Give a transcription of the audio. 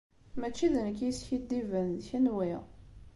Mačči d nekk i yeskiddiben. D kenwi.